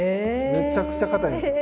めちゃくちゃ硬いんですよ。